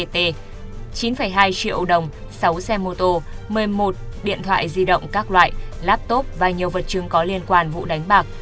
chín hai triệu đồng sáu xe mô tô một mươi một điện thoại di động các loại laptop và nhiều vật chứng có liên quan vụ đánh bạc